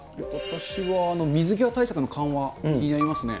私は水際対策の緩和、気になりますね。